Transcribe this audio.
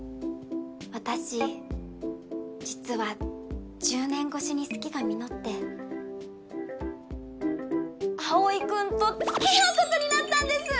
私実は１０年越しに「好き」が実って葵君とつきあうことになったんです